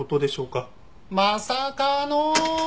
まさかの！